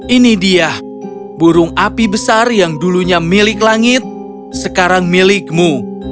ini dia burung api besar yang dulunya milik langit sekarang milikmu